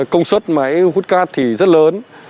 công suất máy hút cát thì rất lớn